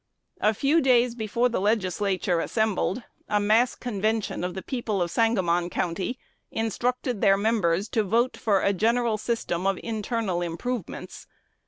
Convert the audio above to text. A few days before the Legislature assembled, "a mass convention" of the people of Sangamon County "instructed" their members "to vote for a general system of internal improvements."